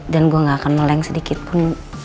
dan gue gak akan meleng sedikit pun